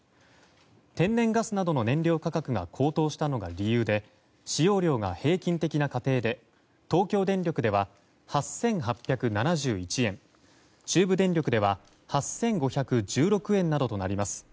天然ガスなどの燃料価格が高騰したのが理由で使用量が平均的な家庭で東京電力では８８７１円中部電力では８５１６円などとなります。